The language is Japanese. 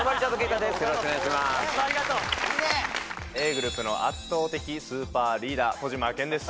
ｇｒｏｕｐの圧倒的スーパーリーダー小島健です